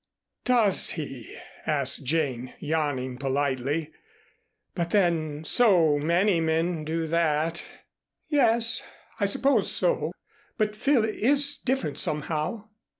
"Does he?" asked Jane, yawning politely. "But then so many men do that." "Yes I suppose so, but Phil is different somehow."